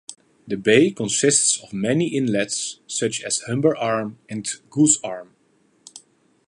The bay consists of many inlets such as Humber Arm and Goose Arm.